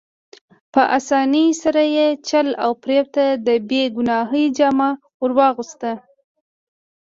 په اسانۍ سره یې چل او فریب ته د بې ګناهۍ جامه ور اغوسته.